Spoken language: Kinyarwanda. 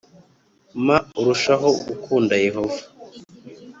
ma urushaho gukunda Yehova